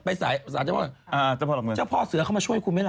สารเจ้าพ่อเจ้าพ่อเสือเข้ามาช่วยคุณไหมล่ะ